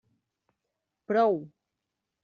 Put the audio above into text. Prou!